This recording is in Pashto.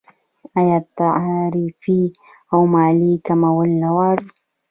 آیا تعرفې او مالیې کمول نه غواړي؟